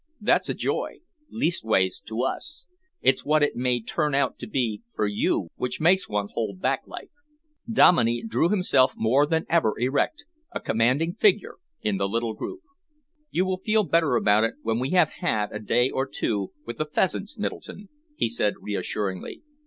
"That's a joy leastways to us. It's what it may turn out to be for you which makes one hold back like." Dominey drew himself more than ever erect a commanding figure in the little group. "You will feel better about it when we have had a day or two with the pheasants, Middleton," he said reassuringly.